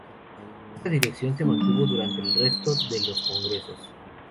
Esta dirección se mantuvo durante el resto de los congresos.